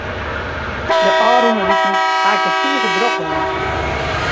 De ôfrûne wiken haw ik it tige drok hân.